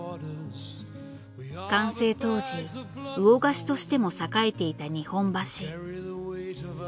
完成当時魚河岸としても栄えていた日本橋。